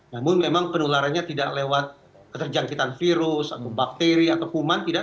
namun memang penularannya tidak lewat keterjangkitan virus atau bakteri atau kuman tidak